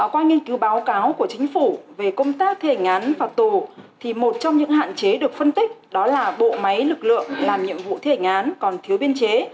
qua nghiên cứu báo cáo của chính phủ về công tác thể ngán và tù thì một trong những hạn chế được phân tích đó là bộ máy lực lượng làm nhiệm vụ thể ngán còn thiếu biên chế